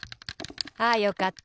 あよかった。